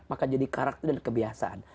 maka jadi karakter dan kebiasaan